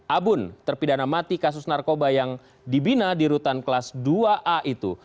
abun terpidana mati kasus narkoba yang dibina di rutan kelas dua a itu